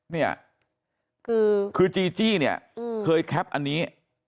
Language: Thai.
เนี่ยคือจีจี้เนี่ยเคยแคปอันนี้